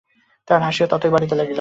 তাহার হাসিও ততই বাড়িতে লাগিল।